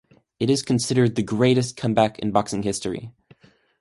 It is considered the greatest comeback in boxing history.